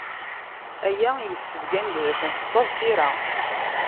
Aya issebgan-d d akken tettaẓ tira.